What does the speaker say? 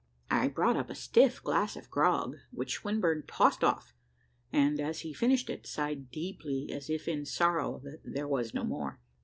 I brought up a stiff glass of grog, which Swinburne tossed off, and as he finished it, sighed deeply as if in sorrow that there was no more.